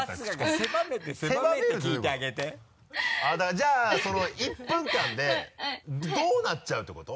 じゃあ１分間でどうなっちゃうってこと？